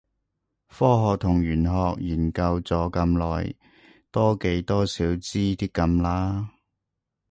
科學同玄學研究咗咁耐，多幾多少知啲咁啦